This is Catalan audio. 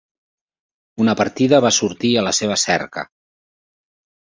Una partida va sortir a la seva cerca.